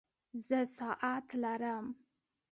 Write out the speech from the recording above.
زه ساعت لرم